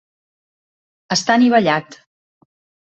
Està anivellat.